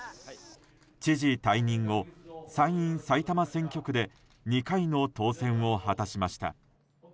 知事退任後、参院埼玉選挙区で２回の当選を果たしました。